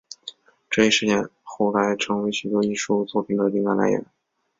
这一事件后来成为许多艺术作品的灵感来源。